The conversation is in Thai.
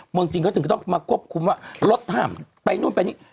เมืองจีนเขาถึงก็ต้องมาควบคุมว่ารถห้ามไปนู่นไปนี่